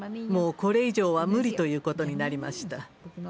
もうこれ以上は無理ということになりました。